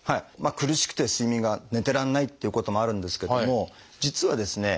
苦しくて睡眠が寝てられないっていうことあるんですけども実はですね